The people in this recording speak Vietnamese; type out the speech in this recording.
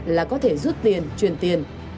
là có thể rút tiền truyền tiền